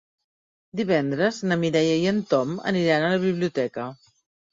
Divendres na Mireia i en Tom aniran a la biblioteca.